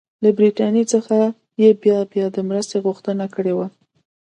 له برټانیې څخه یې بیا بیا د مرستې غوښتنه کړې وه.